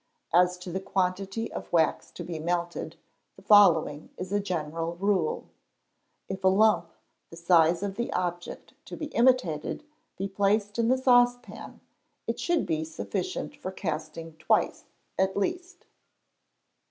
As to the quantity of wax to be melted, the following is a general rule: If a lump, the size of the object to be imitated, be placed in the saucepan, it should be sufficient for casting twice, at least.